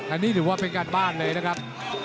อันนี้ถือว่าเป็นการบ้านเลยนะครับ